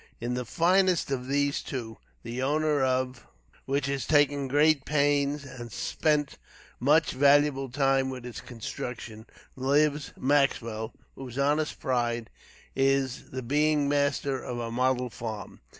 In the finest of these two, the owner of which has taken great pains and spent much valuable time with its construction, lives Maxwell, whose honest pride is the being master of a model farm.